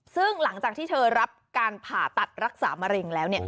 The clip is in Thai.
ซึ่งหลังจากที่เธอรับการผ่าตัดรักษามะเร็งแล้ว